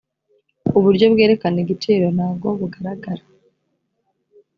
uburyo bwerekana igiciro ntago bugaragara